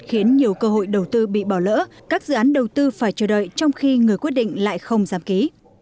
khiến nhiều cơ hội đầu tư bị bỏ lỡ các dự án đầu tư phải chờ đợi trong khi người quyết định lại không giám ký